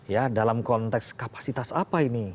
ya dalam konteks kapasitas apa ini